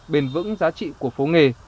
bền vững giá trị của phố nghề